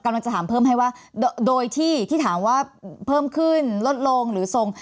กำลังจะถามเพิ่มให้ว่าโดยที่ถามว่าเพิ่มขึ้นลดลงหรือส่ง